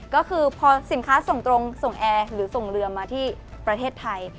ก็คือพอสินค้าส่งตรงส่งแอร์หรือส่งเรือมาที่ประเทศไทย